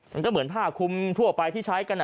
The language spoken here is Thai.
มันก็เหมือนผ้าคุมทั่วไปที่ใช้กัน